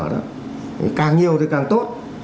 thì càng nhiều thì càng tốt